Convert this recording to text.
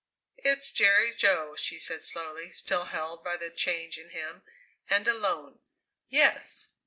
"It's Jerry Jo," she said slowly, still held by the change in him; "and alone!" "Yes."